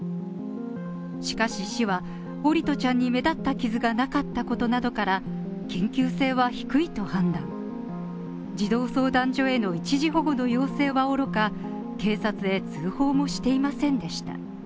しかし市は桜利斗ちゃんに目立った傷がなかったことなどから、緊急性は低いと判断児童相談所への一時保護の要請はおろか、警察へ通報もしていませんでした。